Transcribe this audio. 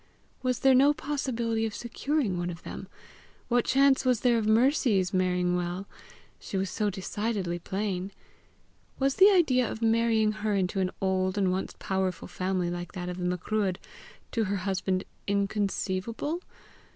Was there no possibility of securing one of them? What chance was there of Mercy's marrying well! she was so decidedly plain! Was the idea of marrying her into an old and once powerful family like that of the Macruadh, to her husband inconceivable?